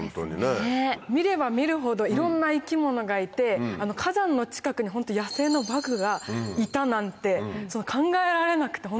見れば見るほどいろんな生き物がいて火山の近くに野生のバクがいたなんて考えられなくてホントすごい。